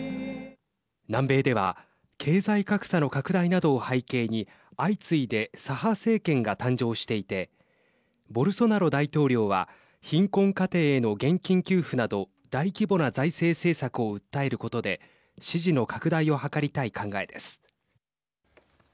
南米では経済格差の拡大などを背景に相次いで左派政権が誕生していてボルソナロ大統領は貧困家庭への現金給付など大規模な財政政策を訴えることで支持の拡大を図りたい考えです。